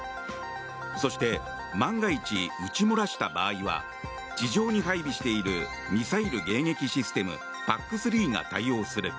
そして、万が一撃ち漏らした場合は地上に配備しているミサイル迎撃システムＰＡＣ３が対応する。